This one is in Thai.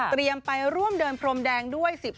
ไปร่วมเดินพรมแดงด้วย